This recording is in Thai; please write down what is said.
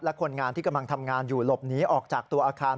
และคนงานที่กำลังทำงานอยู่หลบหนีออกจากตัวอาคาร